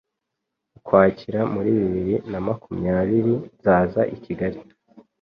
Ukwakira muri bibiri na makumyari nzaza i Kigali,